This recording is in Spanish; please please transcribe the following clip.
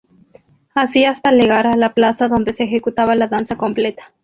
Así hasta legar a la plaza donde se ejecutaba la danza completa.